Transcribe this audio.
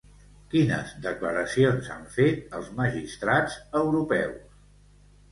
Quines declaracions han fet els magistrats europeus?